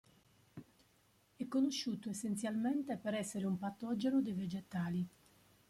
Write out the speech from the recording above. È conosciuto essenzialmente per essere un patogeno dei vegetali.